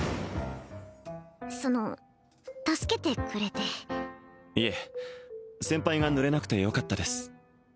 その助けてくれていえ先輩が濡れなくてよかったです